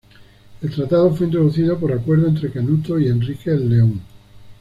El tratado fue introducido por acuerdo entre Canuto y Enrique el León.